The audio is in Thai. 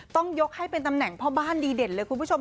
ต้องยกให้เป็นตำแหน่งพ่อบ้านดีเด่นเลยคุณผู้ชม